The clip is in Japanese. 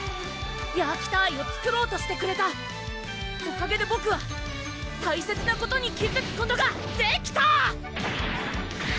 ヤーキターイを作ろうとしてくれたおかげでボクは大切なことに気づくことができた！